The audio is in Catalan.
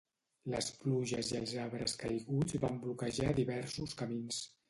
Les pluges i els arbres caiguts van bloquejar diversos camins.